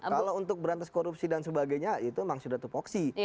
kalau untuk berantas korupsi dan sebagainya itu memang sudah tupoksi